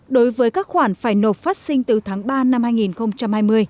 đối với các khoản phải nộp phát sinh từ tháng ba năm hai nghìn hai mươi